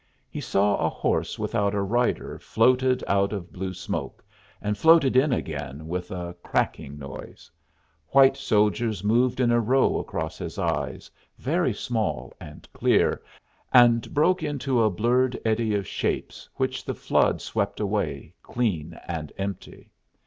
He saw a horse without a rider floated out of blue smoke, and floated in again with a cracking noise; white soldiers moved in a row across his eyes, very small and clear, and broke into a blurred eddy of shapes which the flood swept away clean and empty.